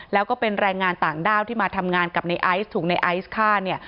แล้วก็เป็นแรงงานต่างด้าวที่มาทำงานกับในไอซ์ถูกในไอซ์ฆ่าเนี่ย